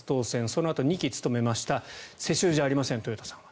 そのあと、２期務めました世襲じゃありません、豊田さん。